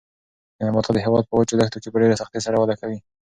دا نباتات د هېواد په وچو دښتو کې په ډېر سختۍ سره وده کوي.